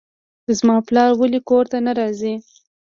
زما پلار ولې کور ته نه راځي.